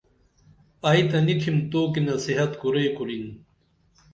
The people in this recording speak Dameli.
ائی تہ نی تِھم تو کی نصیحت کُرئی کُرِن